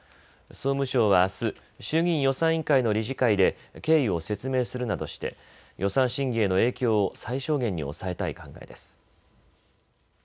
総務省はあす衆議院予算委員会の理事会で経緯を説明するなどして予算審議への影響を最小限に抑えたい考えです。